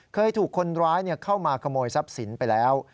เคยถูกคนร้ายเข้ามาขโมยทรัพย์สินไปแล้ว